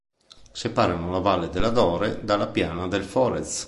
Separano la valle della Dore dalla piana del Forez.